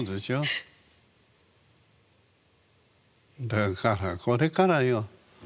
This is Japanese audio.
だからこれからよ。